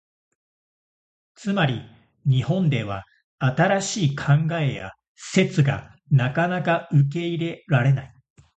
つまり、日本では新しい考えや説がなかなか受け入れられない。